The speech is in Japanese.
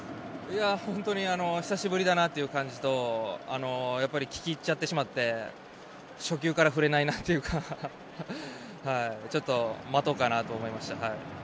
本当に久しぶりだなという感じと聞き入っちゃってしまって初球から振れないなというかちょっと待とうかなと思いました。